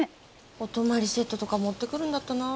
お泊まりセットとか持ってくるんだったな。